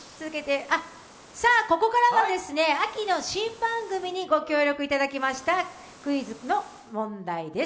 ここからは、秋の新番組にご協力いただきましたクイズの問題です。